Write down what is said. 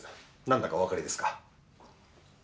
何だかお分かりですか？